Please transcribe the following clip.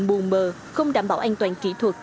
mù mờ không đảm bảo an toàn kỹ thuật